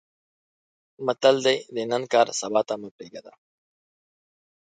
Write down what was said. متل دی: د نن کار سبا ته مه پرېږده.